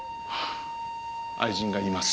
愛人がいます。